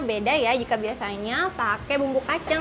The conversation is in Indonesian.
beda ya jika biasanya pakai bumbu kacang